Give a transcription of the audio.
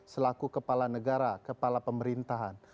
selaku kepala negara kepala pemerintahan